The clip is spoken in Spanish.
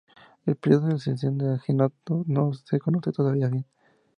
El período de sucesión de Ajenatón no se conoce todavía bien.